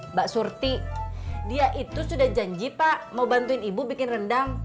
mbak surti dia itu sudah janji pak mau bantuin ibu bikin rendang